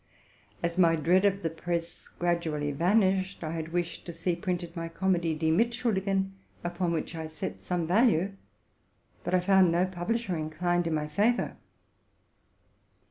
As my dread of the press gradually vanished, I had wished to see printed my comedy '+ Die Mitschuldi ven,''? upon which I set some value ; but I found no publisher inclined in my favor.